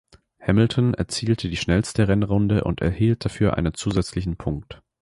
Hamilton erzielte die schnellste Rennrunde und erhielt dafür einen zusätzlichen Punkt.